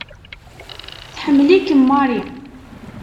Tḥemmel-ikem Mary.